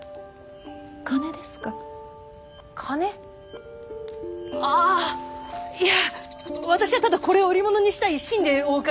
金あいや私ゃただこれを売り物にしたい一心でお伺いしたまでで。